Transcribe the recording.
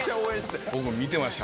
僕も見てました